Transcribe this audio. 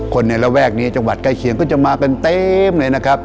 ในระแวกนี้จังหวัดใกล้เคียงก็จะมากันเต็มเลยนะครับ